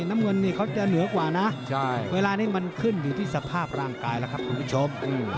น้ำเงินนี่เขาจะเหนือกว่านะเวลานี้มันขึ้นอยู่ที่สภาพร่างกายแล้วครับคุณผู้ชม